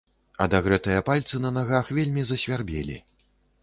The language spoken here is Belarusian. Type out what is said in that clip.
Адагрэтыя пальцы на нагах вельмі засвярбелі.